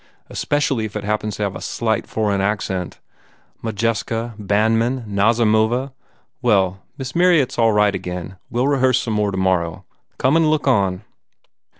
Especially if it happens to have a slight foreign accent? Mod jeska, Bandmann, Nazimova? Well, Miss Mar ryatt s all right again. We ll rehearse some more tomorrow. Come and look on."